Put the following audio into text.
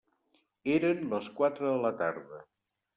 Eren les quatre de la tarda.